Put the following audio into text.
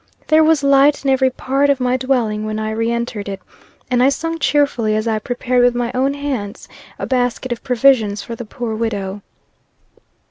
There was light in every part of my dwelling when I re entered it, and I sung cheerfully, as I prepared with my own hands, a basket of provisions for the poor widow.